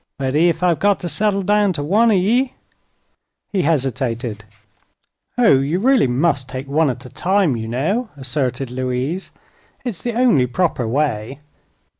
But ef I've got to settle down to one o' ye " He hesitated. "Oh, you must really take one at a time, you know," asserted Louise. "It's the only proper way."